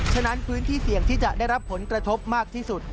ฉะนั้นพื้นที่เสี่ยงที่จะได้รับผลกระทบมากที่สุด